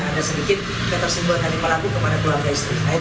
ada sedikit ketersimpulan dari pelaku kepada keluarga istrinya